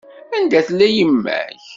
Anda tella yemma-k?